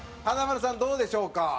華丸さんどうでしょうか？